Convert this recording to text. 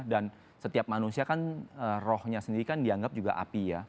dan setiap manusia kan rohnya sendiri kan dianggap juga api ya